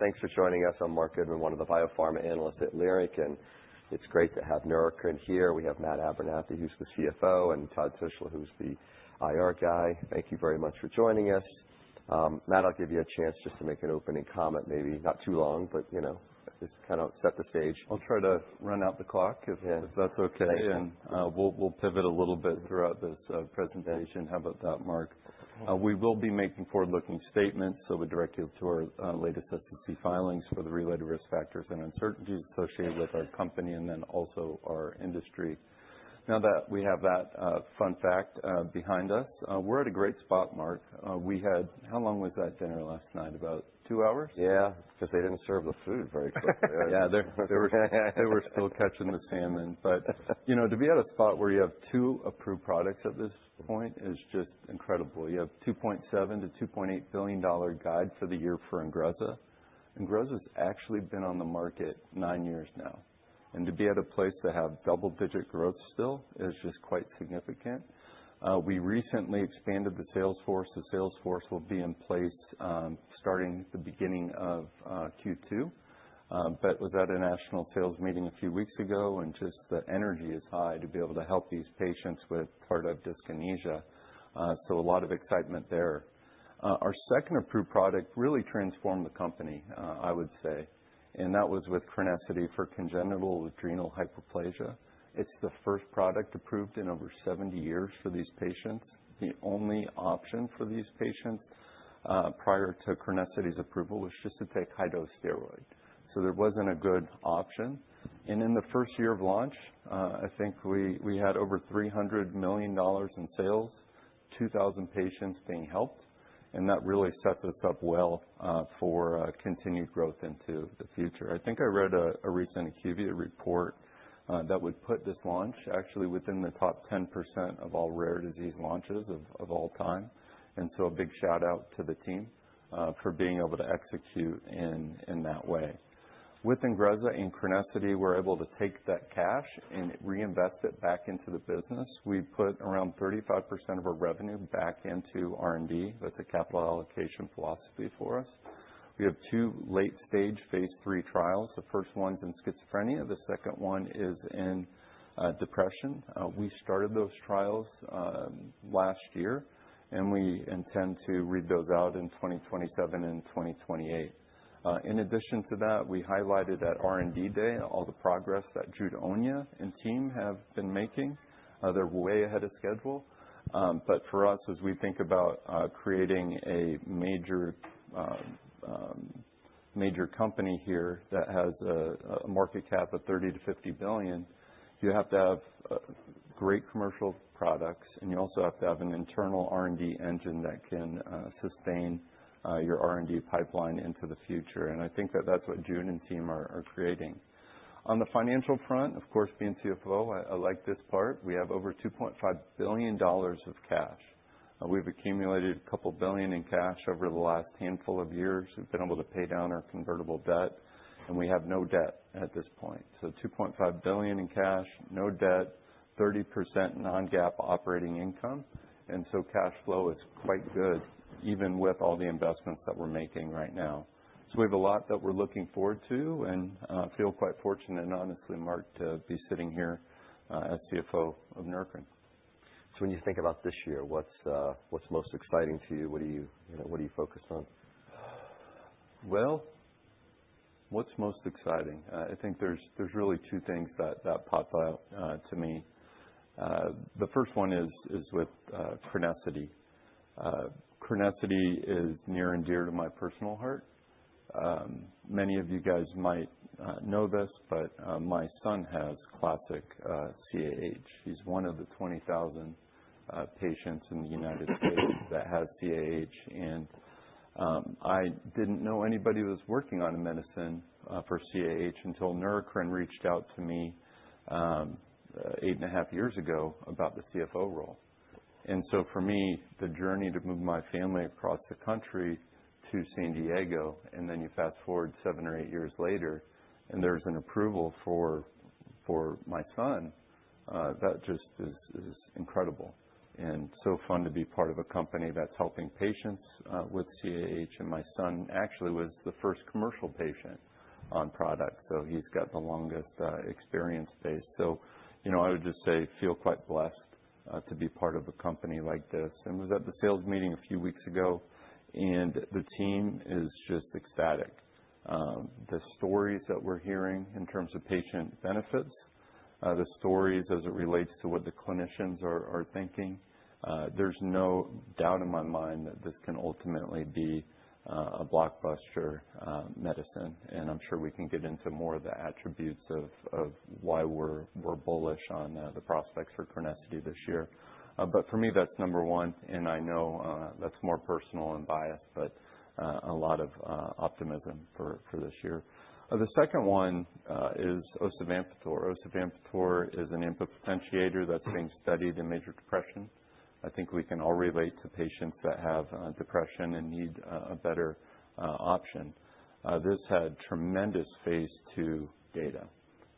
Thanks for joining us. I'm Marc Goodman, one of the Biopharma Analysts at Leerink, and it's great to have Neurocrine here. We have Matt Abernethy, who's the CFO, and Todd Tushla, who's the IR guy. Thank you very much for joining us. Matt, I'll give you a chance just to make an opening comment, maybe not too long, but, you know, just kind of set the stage. I'll try to run out the clock if that's okay. Yeah. Thank you. We'll pivot a little bit throughout this presentation. How about that, Marc? We will be making forward-looking statements, so we direct you to our latest SEC filings for the related risk factors and uncertainties associated with our company and then also our industry. Now that we have that fun fact behind us, we're at a great spot, Marc. How long was that dinner last night? About two hours? Yeah, 'cause they didn't serve the food very quickly. They were still catching the salmon. You know, to be at a spot where you have two approved products at this point is just incredible. You have a $2.7 billion-$2.8 billion guide for the year for INGREZZA. INGREZZA's actually been on the market nine years now, and to be at a place to have double-digit growth still is just quite significant. We recently expanded the sales force. The sales force will be in place starting the beginning of Q2. Was at a national sales meeting a few weeks ago, and just the energy is high to be able to help these patients with tardive dyskinesia, so a lot of excitement there. Our second approved product really transformed the company, I would say, and that was with CRENESSITY for congenital adrenal hyperplasia. It's the first product approved in over 70 years for these patients. The only option for these patients, prior to CRENESSITY's approval was just to take high-dose steroid. There wasn't a good option. In the first year of launch, I think we had over $300 million in sales, 2,000 patients being helped, and that really sets us up well for continued growth into the future. I think I read a recent IQVIA report that would put this launch actually within the top 10% of all rare disease launches of all time. A big shout-out to the team for being able to execute in that way. With INGREZZA and CRENESSITY, we're able to take that cash and reinvest it back into the business. We put around 35% of our revenue back into R&D. That's a capital allocation philosophy for us. We have two late-stage phase III trials. The first one's in schizophrenia, the second one is in depression. We started those trials last year, and we intend to read those out in 2027 and 2028. In addition to that, we highlighted at R&D Day all the progress that Jude Onyia and team have been making. They're way ahead of schedule. For us, as we think about creating a major company here that has a market cap of $30 billion-$50 billion, you have to have great commercial products, you also have to have an internal R&D engine that can sustain your R&D pipeline into the future. I think that that's what Jude and team are creating. On the financial front, of course, being CFO, I like this part. We have over $2.5 billion of cash. We've accumulated a couple billion in cash over the last handful of years. We've been able to pay down our convertible debt. We have no debt at this point. $2.5 billion in cash, no debt, 30% non-GAAP operating income, cash flow is quite good even with all the investments that we're making right now. We have a lot that we're looking forward to and feel quite fortunate, and honestly, Marc, to be sitting here as CFO of Neurocrine. When you think about this year, what's most exciting to you? What are you know, what are you focused on? Well, what's most exciting? I think there's really two things that pop out to me. The first one is with CRENESSITY. CRENESSITY is near and dear to my personal heart. Many of you guys might know this, but my son has classic CAH. He's one of the 20,000 patients in the United States that has CAH, and I didn't know anybody was working on a medicine for CAH until Neurocrine reached out to me eight and a half years ago about the CFO role. For me, the journey to move my family across the country to San Diego, and then you fast-forward seven or eight years later, and there's an approval for my son, that just is incredible and so fun to be part of a company that's helping patients with CAH. My son actually was the first commercial patient on product, so he's got the longest experience base. You know, I would just say feel quite blessed to be part of a company like this. Was at the sales meeting a few weeks ago, and the team is just ecstatic. The stories that we're hearing in terms of patient benefits, the stories as it relates to what the clinicians are thinking, there's no doubt in my mind that this can ultimately be a blockbuster medicine. I'm sure we can get into more of the attributes of why we're bullish on the prospects for CRENESSITY this year. For me, that's number one, and I know that's more personal and biased, but a lot of optimism for this year. The second one is osavampator. Osavampator is an AMPA potentiator that's being studied in major depression. I think we can all relate to patients that have depression and need a better option. This had tremendous phase II data,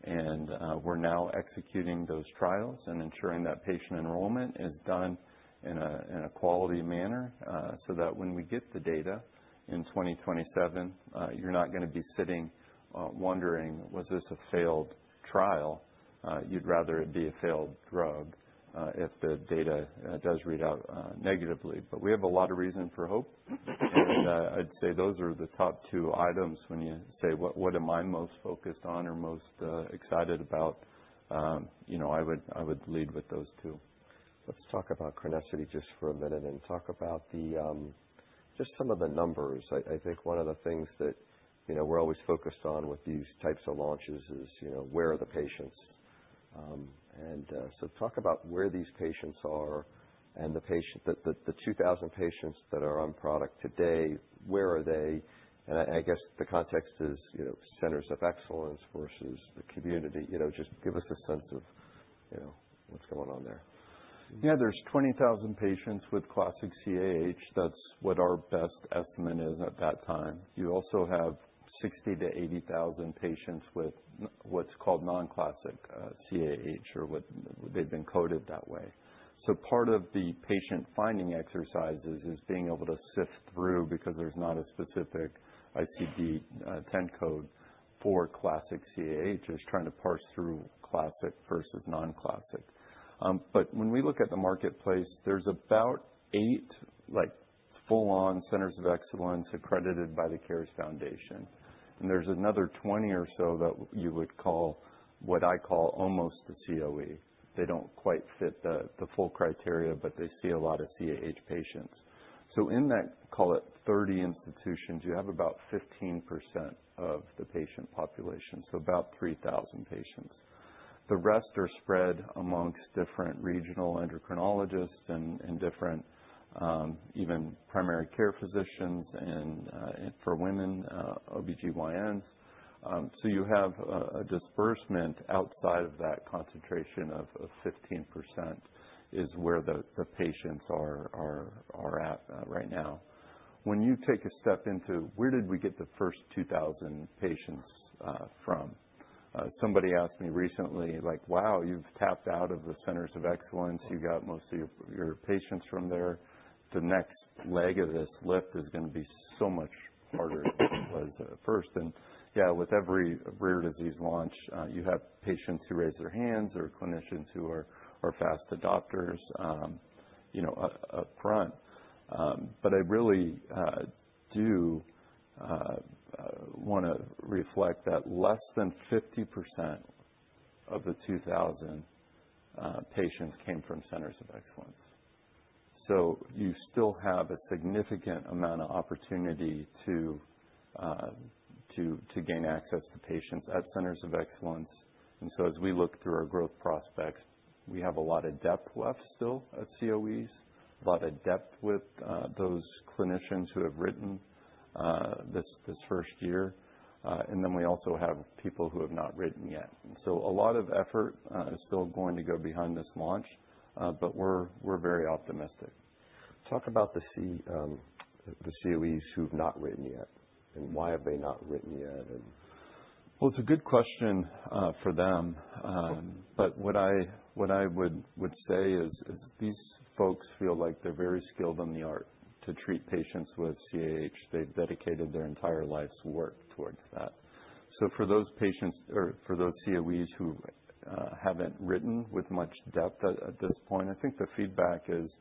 and we're now executing those trials and ensuring that patient enrollment is done in a quality manner, so that when we get the data in 2027, you're not gonna be sitting, wondering, Was this a failed trial? You'd rather it be a failed drug, if the data does read out negatively. We have a lot of reason for hope. I'd say those are the top two items when you say, what am I most focused on or most excited about, you know, I would, I would lead with those two. Let's talk about CRENESSITY just for a minute and talk about the just some of the numbers. I think one of the things that, you know, we're always focused on with these types of launches is, you know, where are the patients? Talk about where these patients are and the 2,000 patients that are on product today, where are they? I guess, the context is, you know, Centers of Excellence versus the community. You know, just give us a sense of, you know, what's going on there? There's 20,000 patients with classic CAH. That's what our best estimate is at that time. You also have 60,000-80,000 patients with what's called non-classic CAH or they've been coded that way. Part of the patient finding exercises is being able to sift through because there's not a specific ICD-10 code for classic CAH, just trying to parse through classic versus non-classic. When we look at the marketplace, there's about eight, like, full-on Centers of Excellence accredited by the CARES Foundation. There's another 20 or so that you would call, what I call almost a COE. They don't quite fit the full criteria, but they see a lot of CAH patients. In that, call it 30 institutions, you have about 15% of the patient population, about 3,000 patients. The rest are spread amongst different regional endocrinologists and different, even primary care physicians and for women, OB-GYNs. You have a disbursement outside of that concentration of 15% is where the patients are at, right now. When you take a step into where did we get the first 2,000 patients, from? Somebody asked me recently, like, Wow, you've tapped out of the Centers of Excellence. You got most of your patients from there. The next leg of this lift is gonna be so much harder than it was at first. Yeah, with every rare disease launch, you have patients who raise their hands or clinicians who are fast adopters, you know, upfront. I really do wanna reflect that less than 50% of the 2,000 patients came from Centers of Excellence. You still have a significant amount of opportunity to gain access to patients at Centers of Excellence. As we look through our growth prospects, we have a lot of depth left still at COEs, a lot of depth with those clinicians who have written this first year. Then we also have people who have not written yet. A lot of effort is still going to go behind this launch, but we're very optimistic. Talk about the COEs who've not written yet, why have they not written yet? Well, it's a good question for them. What I would say is these folks feel like they're very skilled on the art to treat patients with CAH. They've dedicated their entire life's work towards that. For those patients or for those COEs who haven't written with much depth at this point, I think the feedback is,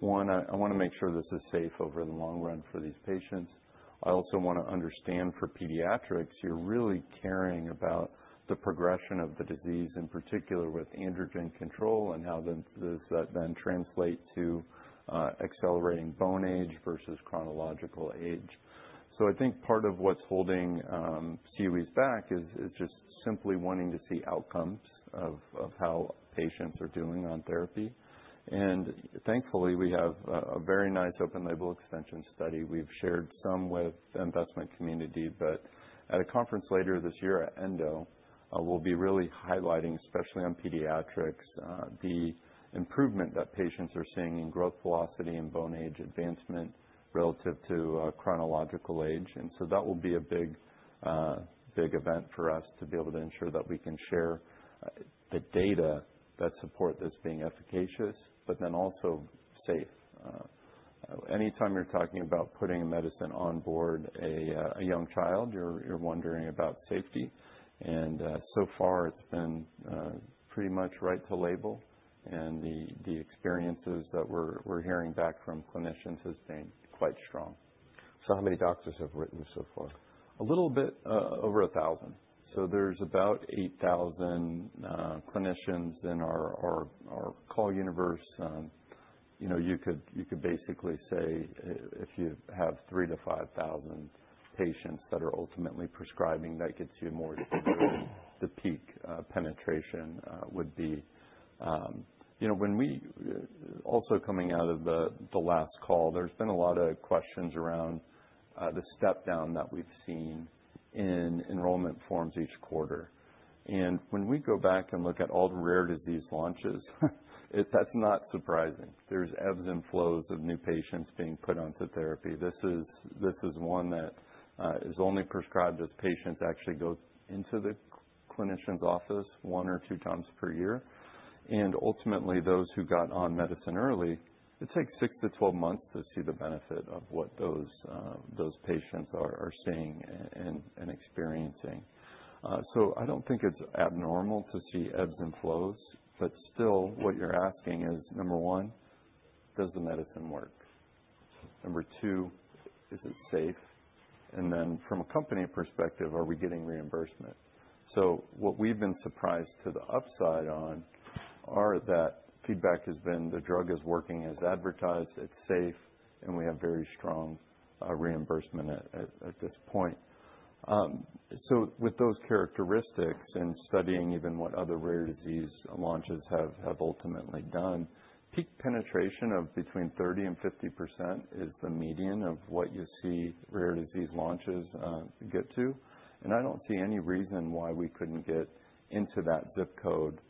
one, I wanna make sure this is safe over the long run for these patients. I also wanna understand for pediatrics, you're really caring about the progression of the disease, in particular with androgen control and how then does that then translate to accelerating bone age versus chronological age. I think part of what's holding COEs back is just simply wanting to see outcomes of how patients are doing on therapy. Thankfully, we have a very nice open-label extension study. We've shared some with the investment community, at a conference later this year at ENDO, we'll be really highlighting, especially on pediatrics, the improvement that patients are seeing in growth velocity and bone age advancement relative to chronological age. That will be a big, big event for us to be able to ensure that we can share the data that support this being efficacious, also safe. Anytime you're talking about putting medicine on board a young child, you're wondering about safety. So far it's been pretty much right to label. The experiences that we're hearing back from clinicians has been quite strong. How many doctors have written so far? A little bit over 1,000. There's about 8,000 clinicians in our call universe. You know, you could basically say if you have 3,000-5,000 patients that are ultimately prescribing, that gets you more to the peak penetration would be. You know, Also coming out of the last call, there's been a lot of questions around the step down that we've seen in enrollment forms each quarter. When we go back and look at all the rare disease launches, that's not surprising. There's ebbs and flows of new patients being put onto therapy. This is one that is only prescribed as patients actually go into the clinician's office 1x or 2x per year. Ultimately, those who got on medicine early, it takes 6-12 months to see the benefit of what those patients are seeing and experiencing. I don't think it's abnormal to see ebbs and flows, but still, what you're asking is, number one, does the medicine work? Number two, is it safe? Then from a company perspective, are we getting reimbursement? What we've been surprised to the upside on are that feedback has been the drug is working as advertised, it's safe, and we have very strong reimbursement at this point. With those characteristics and studying even what other rare disease launches have ultimately done, peak penetration of between 30% and 50% is the median of what you see rare disease launches get to. I don't see any reason why we couldn't get into that ZIP code,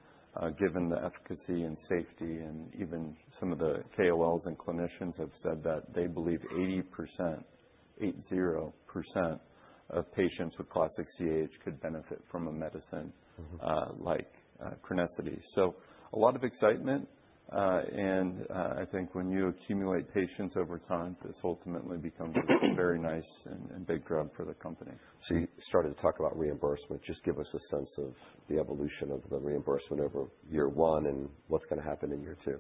given the efficacy and safety, and even some of the KOLs and clinicians have said that they believe 80%, 80% of patients with classic CAH could benefit from a medicine. Mm-hmm. like, CRENESSITY. A lot of excitement, and, I think when you accumulate patients over time, this ultimately becomes a very nice and big drug for the company. You started to talk about reimbursement. Just give us a sense of the evolution of the reimbursement over year one and what's gonna happen in year two?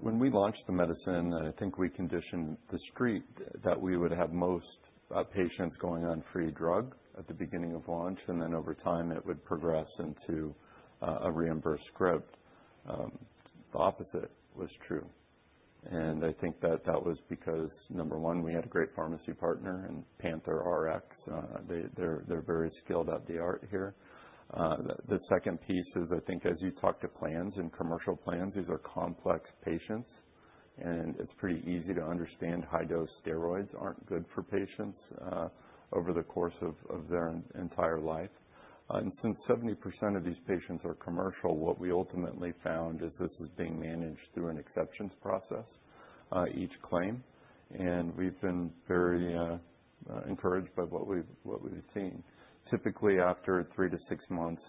When we launched the medicine, I think we conditioned the street that we would have most patients going on free drug at the beginning of launch, then over time, it would progress into a reimbursed script. The opposite was true. I think that that was because, number one, we had a great pharmacy partner in PANTHERx Rare. They're very skilled at the art here. The second piece is, I think as you talk to plans and commercial plans, these are complex patients, and it's pretty easy to understand high-dose steroids aren't good for patients, over the course of their entire life. Since 70% of these patients are commercial, what we ultimately found is this is being managed through an exceptions process, each claim. We've been very encouraged by what we've seen. Typically, after 3-6 months,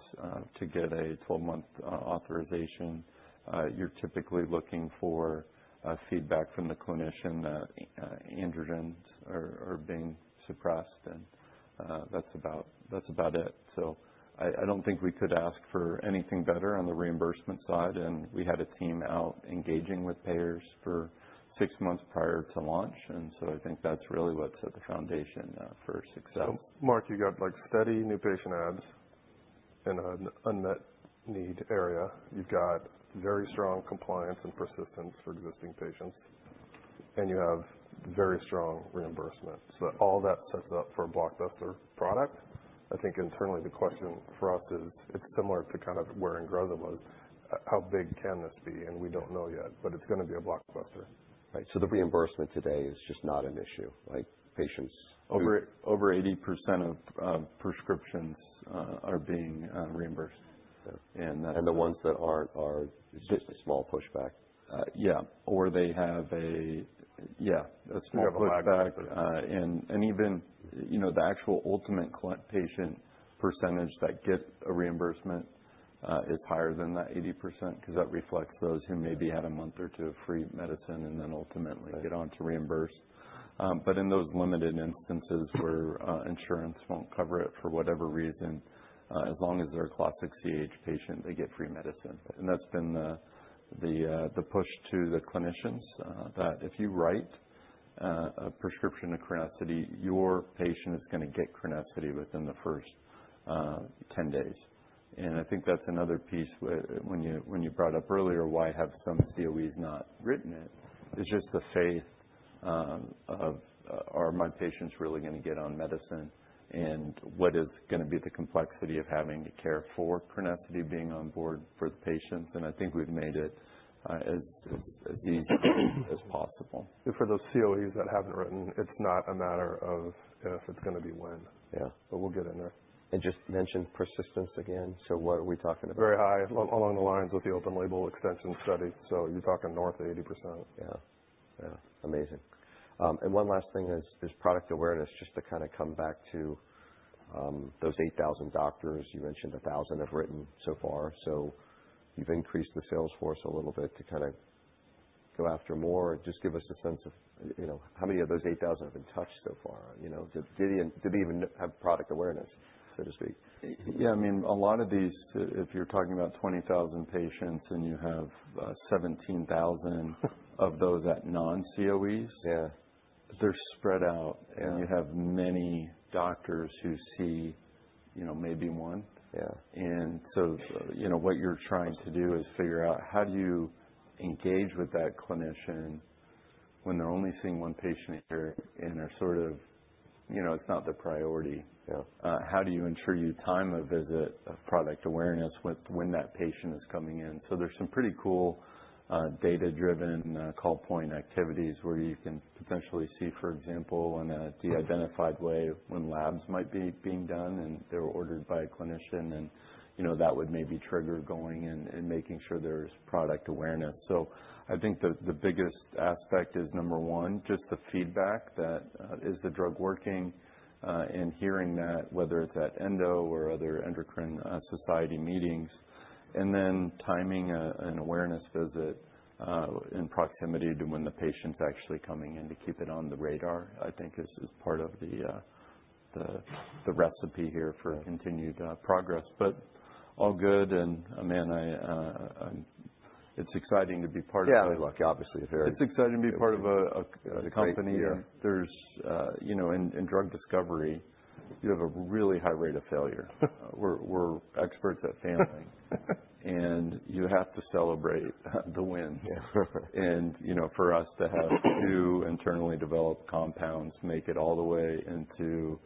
to get a 12-month authorization, you're typically looking for feedback from the clinician that androgens are being suppressed and that's about it. I don't think we could ask for anything better on the reimbursement side. We had a team out engaging with payers for six months prior to launch. I think that's really what set the foundation for success. Marc, you got like steady new patient adds in an unmet need area. You've got very strong compliance and persistence for existing patients, and you have very strong reimbursement. All that sets up for a blockbuster product. I think internally the question for us is it's similar to kind of where INGREZZA was. How big can this be? We don't know yet, but it's gonna be a blockbuster. Right. The reimbursement today is just not an issue. Like, patients- Over 80% of prescriptions are being reimbursed. Okay. that's- The ones that aren't are just a small pushback. Yeah. They have Yeah. A small pushback. They have a lag. Even, you know, the actual ultimate patient percentage that get a reimbursement is higher than that 80% 'cause that reflects those who maybe had a month or two of free medicine and then ultimately get on to reimbursed. In those limited instances where insurance won't cover it for whatever reason, as long as they're a classic CAH patient, they get free medicine. That's been the push to the clinicians that if you write a prescription of CRENESSITY, your patient is gonna get CRENESSITY within the first 10 days. I think that's another piece where when you, when you brought up earlier why have some COEs not written it's just the faith, of, are my patients really gonna get on medicine and what is gonna be the complexity of having to care for CRENESSITY being on board for the patients. I think we've made it as easy as possible. For those COEs that haven't written, it's not a matter of if, it's gonna be when. Yeah. we'll get in there. Just mentioned persistence again. What are we talking about? Very high. Along the lines with the open-label extension study. You're talking north of 80%. Yeah. Yeah. Amazing. One last thing is product awareness, just to kinda come back to, those 8,000 doctors. You mentioned 1,000 have written so far. You've increased the sales force a little bit to kinda go after more. Just give us a sense of, you know, how many of those 8,000 have been touched so far, you know? Do, did he even have product awareness, so to speak? I mean, a lot of these, if you're talking about 20,000 patients and you have 17,000 of those at non-COEs. Yeah. They're spread out. Yeah. You have many doctors who see, you know, maybe one. Yeah. You know, what you're trying to do is figure out how do you engage with that clinician when they're only seeing one patient a year, and they're sort of... You know, it's not the priority. Yeah. How do you ensure you time a visit of product awareness with when that patient is coming in? There's some pretty cool data-driven call point activities where you can potentially see, for example, in a de-identified way, when labs might be being done, and they were ordered by a clinician. you know, that would maybe trigger going in and making sure there's product awareness. I think the biggest aspect is, number one, just the feedback that is the drug working, and hearing that whether it's at ENDO or other endocrine society meetings. Then timing an awareness visit in proximity to when the patient's actually coming in to keep it on the radar, I think is part of the. The recipe here for continued progress. All good, I mean, I, it's exciting to be part of. Yeah. Really lucky, obviously, a. It's exciting to be part of a company. It's a yeah. There's, you know, in drug discovery, you have a really high rate of failure. We're experts at failing. You have to celebrate the wins. Yeah. You know, for us to have two internally developed compounds make it all the way into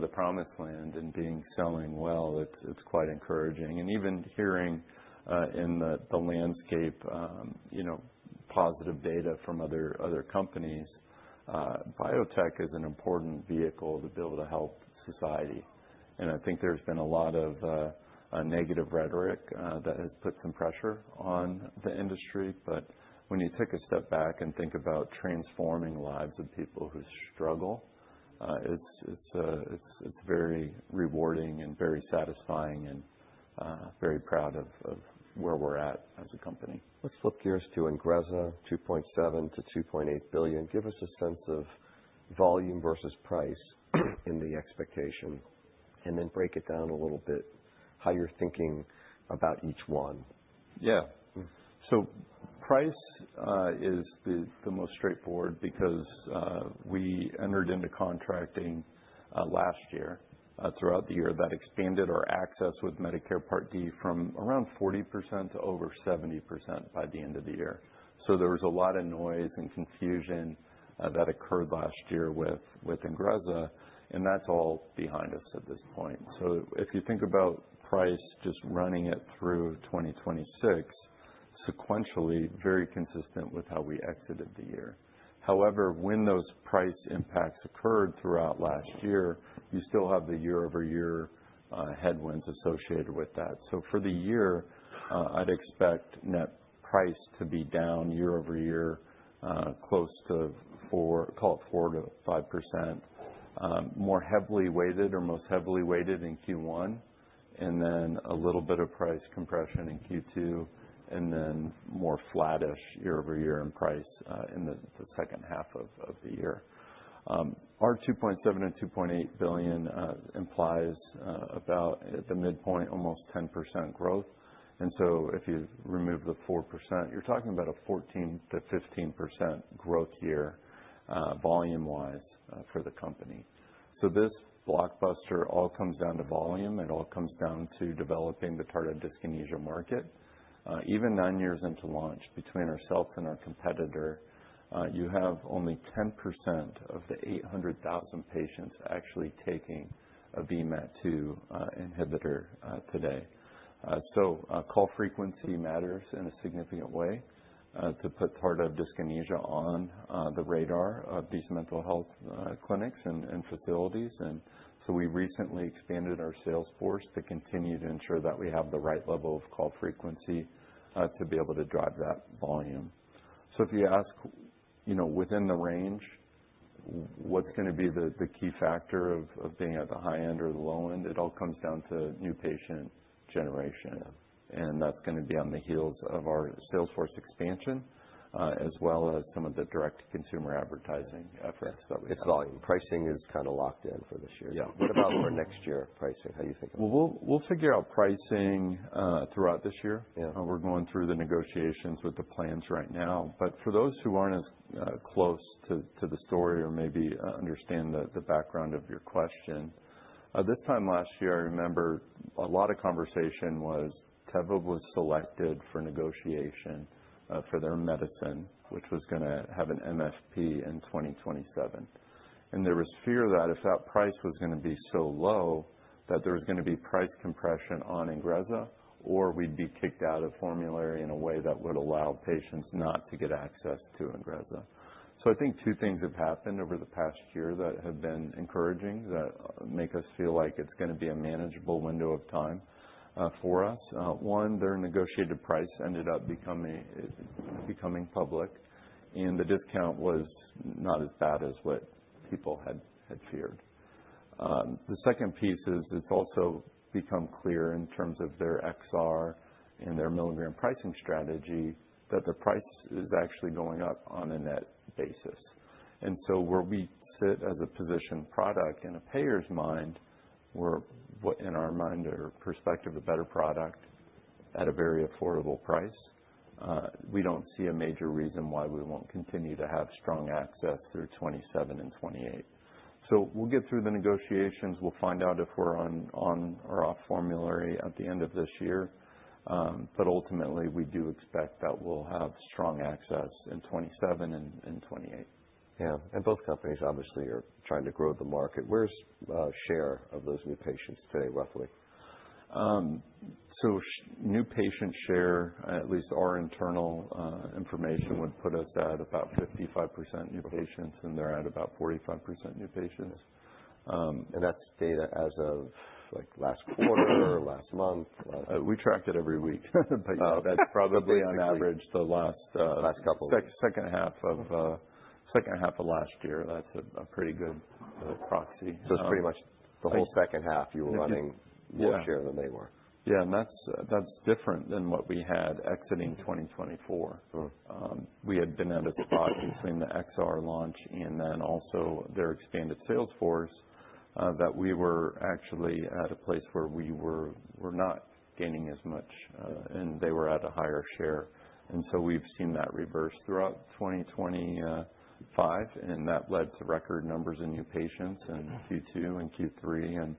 the promised land and selling well, it's quite encouraging. Even hearing in the landscape, you know, positive data from other companies, biotech is an important vehicle to be able to help society. I think there's been a lot of negative rhetoric that has put some pressure on the industry. When you take a step back and think about transforming lives of people who struggle, it's very rewarding and very satisfying, and very proud of where we're at as a company. Let's flip gears to INGREZZA, $2.7 billion-$2.8 billion. Give us a sense of volume versus price in the expectation, and then break it down a little bit how you're thinking about each one. Price is the most straightforward because we entered into contracting last year throughout the year. That expanded our access with Medicare Part D from around 40% to over 70% by the end of the year. There was a lot of noise and confusion that occurred last year with INGREZZA, and that's all behind us at this point. If you think about price just running it through 2026, sequentially very consistent with how we exited the year. However, when those price impacts occurred throughout last year, you still have the year-over-year headwinds associated with that. For the year, I'd expect net price to be down year-over-year, close to call it 4%-5%. More heavily weighted or most heavily weighted in Q1, then a little bit of price compression in Q2, then more flattish year-over-year in price, in the second half of the year. Our $2.7 billion-$2.8 billion implies about at the midpoint almost 10% growth. If you remove the 4%, you're talking about a 14%-15% growth year volume-wise for the company. This blockbuster all comes down to volume. It all comes down to developing the tardive dyskinesia market. Even nine years into launch between ourselves and our competitor, you have only 10% of the 800,000 patients actually taking a VMAT2 inhibitor today. Call frequency matters in a significant way, to put tardive dyskinesia on the radar of these mental health clinics and facilities. We recently expanded our sales force to continue to ensure that we have the right level of call frequency to be able to drive that volume. If you ask, you know, within the range, what's gonna be the key factor of being at the high end or the low end, it all comes down to new patient generation. Yeah. That's gonna be on the heels of our sales force expansion, as well as some of the direct-to-consumer advertising efforts that we have. It's volume. Pricing is kinda locked in for this year. Yeah. What about for next year pricing? How are you thinking about that? We'll figure out pricing throughout this year. Yeah. We're going through the negotiations with the plans right now. For those who aren't as close to the story or maybe understand the background of your question, this time last year, I remember a lot of conversation was Teva was selected for negotiation for their medicine, which was gonna have an MFP in 2027. There was fear that if that price was gonna be so low that there was gonna be price compression on INGREZZA or we'd be kicked out of formulary in a way that would allow patients not to get access to INGREZZA. I think two things have happened over the past year that have been encouraging, that make us feel like it's gonna be a manageable window of time for us. One, their negotiated price ended up becoming public, and the discount was not as bad as what people had feared. The second piece is it's also become clear in terms of their XR and their milligram pricing strategy that the price is actually going up on a net basis. Where we sit as a positioned product in a payer's mind, we're in our mind or perspective, a better product at a very affordable price. We don't see a major reason why we won't continue to have strong access through 2027 and 2028. We'll get through the negotiations. We'll find out if we're on or off formulary at the end of this year. But ultimately, we do expect that we'll have strong access in 2027 and 2028. Yeah. Both companies obviously are trying to grow the market. Where's share of those new patients today, roughly? New patient share, at least our internal information would put us at about 55% new patients, and they're at about 45% new patients. that's data as of, like, last quarter or last month? We track it every week. That's probably on average the last. Last couple... second half of last year. That's a pretty good proxy. It's pretty much the whole second half you were running. Yeah more share than they were. Yeah, that's different than what we had exiting 2024. Mm-hmm. We had been at a spot between the XR launch and then also their expanded sales force, that we were actually at a place where we're not gaining as much, and they were at a higher share. We've seen that reverse throughout 2025, and that led to record numbers in new patients in Q2 and Q3 and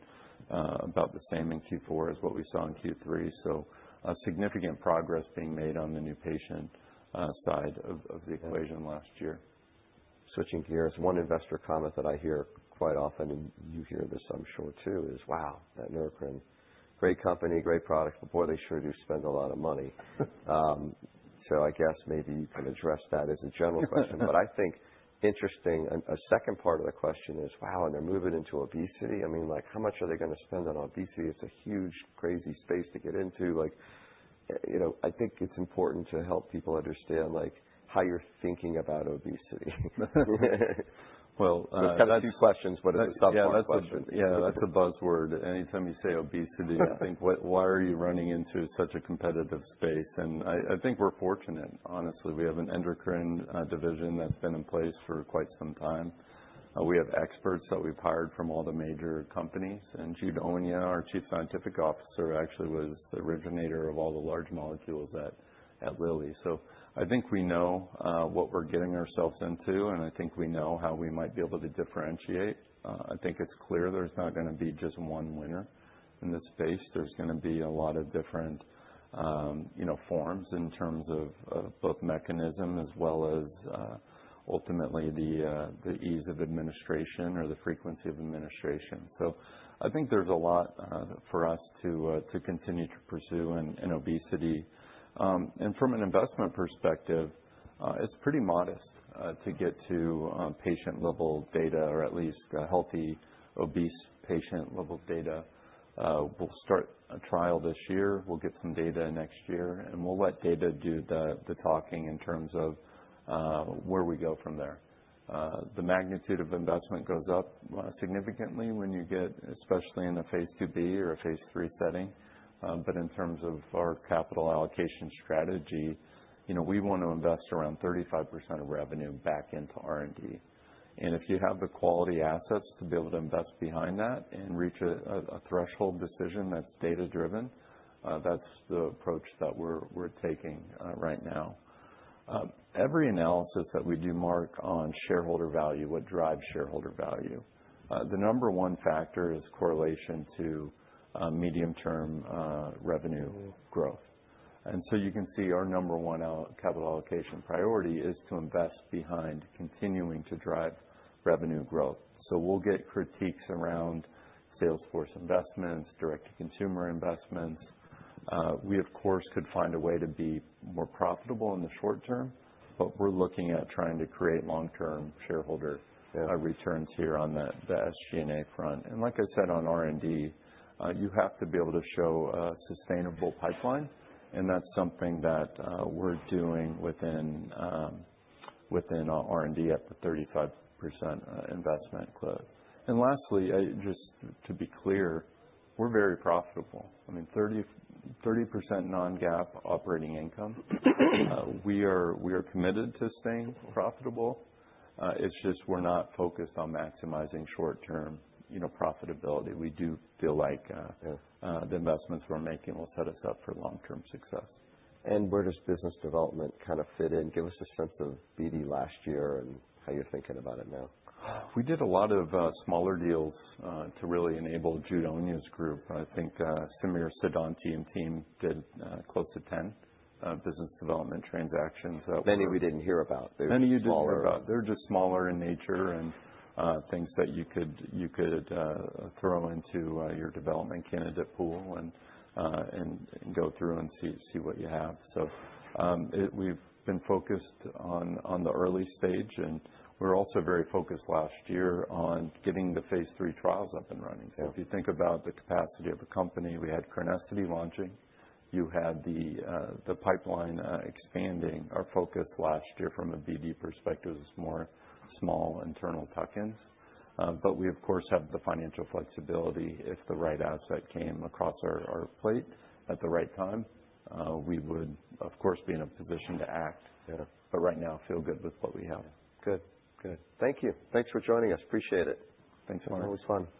about the same in Q4 as what we saw in Q3. Significant progress being made on the new patient side of the equation last year. Switching gears. One investor comment that I hear quite often, and you hear this I'm sure too, is, Wow. That Neurocrine. Great company, great products, but boy they sure do spend a lot of money. I guess maybe you can address that as a general question. I think interesting, and a second part of the question is, Wow, and they're moving into obesity? I mean, like, how much are they gonna spend on obesity? It's a huge, crazy space to get into. Like, you know, I think it's important to help people understand, like, how you're thinking about obesity. Well. There's kind of two questions, but it's a softball question. Yeah, that's a buzzword. Anytime you say obesity- Yeah I think why are you running into such a competitive space? I think we're fortunate, honestly. We have an endocrine division that's been in place for quite some time. We have experts that we've hired from all the major companies. Jude Onyia, our Chief Scientific Officer, actually was the originator of all the large molecules at Lilly. I think we know what we're getting ourselves into, and I think we know how we might be able to differentiate. I think it's clear there's not gonna be just one winner in this space. There's gonna be a lot of different, you know, forms in terms of both mechanism as well as ultimately the ease of administration or the frequency of administration. I think there's a lot for us to continue to pursue in obesity. From an investment perspective, it's pretty modest to get to patient-level data or at least a healthy obese patient-level data. We'll start a trial this year. We'll get some data next year, and we'll let data do the talking in terms of where we go from there. The magnitude of investment goes up significantly when you get especially in a phase II-B or a phase III setting. In terms of our capital allocation strategy, you know, we want to invest around 35% of revenue back into R&D. If you have the quality assets to be able to invest behind that and reach a threshold decision that's data-driven, that's the approach that we're taking right now. Every analysis that we do, Marc, on shareholder value, what drives shareholder value, the number one factor is correlation to medium-term revenue growth. You can see our number one capital allocation priority is to invest behind continuing to drive revenue growth. We'll get critiques around sales force investments, direct-to-consumer investments. We of course, could find a way to be more profitable in the short-term, but we're looking at trying to create long-term shareholder-. Yeah returns here on that, the SG&A front. Like I said on R&D, you have to be able to show a sustainable pipeline, and that's something that we're doing within our R&D at the 35% investment clip. Lastly, just to be clear, we're very profitable. I mean, 30% non-GAAP operating income. We are committed to staying profitable. It's just we're not focused on maximizing short-term, you know, profitability. We do feel like. Yeah The investments we're making will set us up for long-term success. Where does business development kind of fit in? Give us a sense of BD last year and how you're thinking about it now. We did a lot of smaller deals to really enable Jude Onyia's group. I think Samir Siddhanti and team did close to 10 business development transactions. Many we didn't hear about. They're smaller. Many you didn't hear about. They're just smaller in nature and things that you could throw into your development candidate pool and go through and see what you have. We've been focused on the early stage, and we're also very focused last year on getting the phase III trials up and running. Yeah. If you think about the capacity of a company, we had CRENESSITY launching. You had the pipeline expanding. Our focus last year from a BD perspective is more small internal tuck-ins. We of course have the financial flexibility if the right asset came across our plate at the right time. We would, of course, be in a position to act. Yeah. Right now feel good with what we have. Good. Good. Thank you. Thanks for joining us. Appreciate it. Thanks, Marc. Always fun.